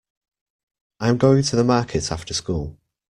I'm going to the market after school.